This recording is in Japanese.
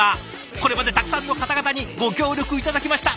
これまでたくさんの方々にご協力頂きました。